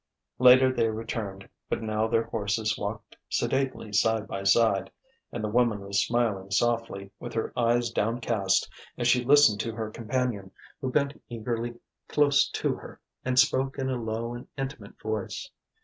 Later they returned; but now their horses walked sedately side by side; and the woman was smiling softly, with her eyes downcast, as she listened to her companion, who bent eagerly close to her and spoke in a low and intimate voice.